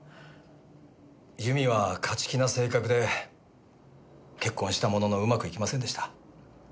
由美は勝ち気な性格で結婚したもののうまくいきませんでした。